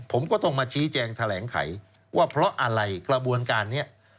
ผมก็ต้องมาชี้แจงแถลงไขว่าเพราะอะไรกระบวนการนี้